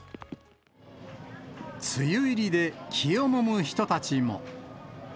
梅雨入りで気をもむ人たちも。